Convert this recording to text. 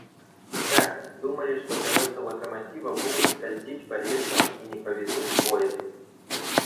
Так, думали, что колеса локомотива будут скользить по рельсам и не повезут поезд.